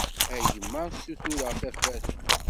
A gma ssutureγ tafat.